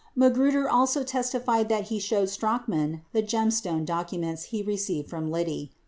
53 Magruder also testified that he showed Strachan the Gemstone docu ments he received from Liddy.